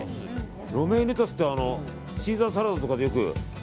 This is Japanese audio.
ロメインレタスってあのシーザーサラダとかでよく。